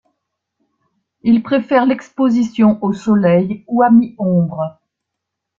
Il préfère l'exposition au soleil ou à mi-ombre.